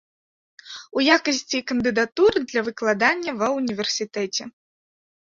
У якасці кандыдатур для выкладання ва ўніверсітэце.